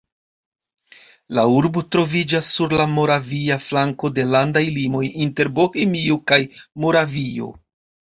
La urbo troviĝas sur la moravia flanko de landaj limoj inter Bohemio kaj Moravio.